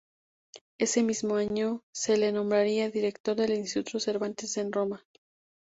Ese mismo año se le nombraría director del Instituto Cervantes en Roma.